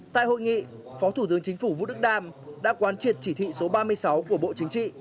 tại hội nghị phó thủ tướng chính phủ vũ đức đam đã quán triệt chỉ thị số ba mươi sáu của bộ chính trị